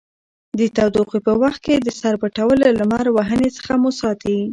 د تودوخې په وخت کې د سر پټول له لمر وهنې څخه مو ساتي.